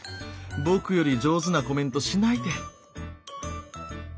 僕より上手なコメントしないで。